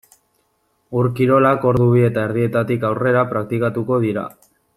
Ur-kirolak ordu bi eta erdietatik aurrera praktikatuko dira.